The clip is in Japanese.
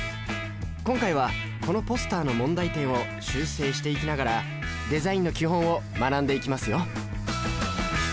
今回はこのポスターの問題点を修正していきながらデザインの基本を学んでいきますよ